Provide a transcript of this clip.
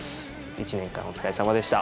１年間お疲れさまでした。